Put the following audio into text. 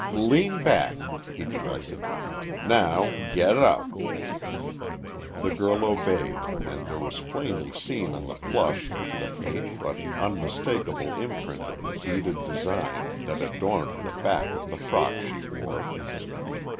"Lean back," he directed. "Now, get up." The girl obeyed, and there was plainly seen on the plush the faint but unmistakable imprint of the beaded design that adorned the back of the frock she wore.